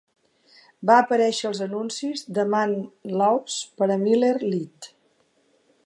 Va aparèixer als anuncis de Man Laws per a Miller Lite.